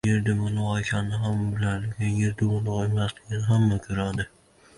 • Yer dumaloq ekanini hamma biladi, lekin Yer dumaloq emasligini hamma ko‘radi.